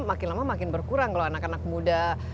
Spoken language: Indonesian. makin lama makin berkurang kalau anak anak muda